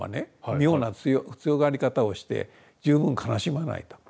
妙な強がり方をして十分悲しまないと。